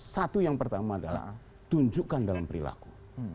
satu yang pertama adalah tunjukkan dalam perilaku